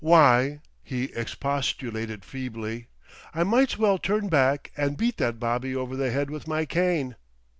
"Why," he expostulated feebly, "I might's well turn back and beat that bobby over the head with my cane!..."